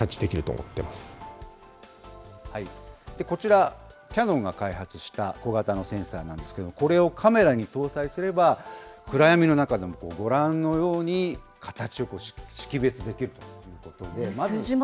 こちら、キヤノンが開発した小型のセンサーなんですけれども、これをカメラに搭載すれば、暗闇の中でもご覧のように、形を識別できるということで。